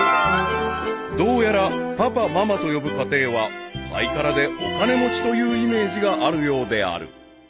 ［どうやらパパママと呼ぶ家庭はハイカラでお金持ちというイメージがあるようである］